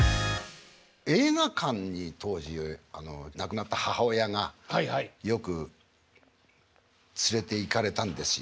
映画館に当時亡くなった母親がよく連れていかれたんですよ。